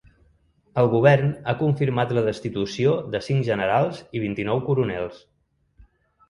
El govern ha confirmat la destitució de cinc generals i vint-i-nou coronels.